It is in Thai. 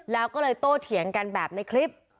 แล้วก็เลยโตเถียงกันแบบในคลิป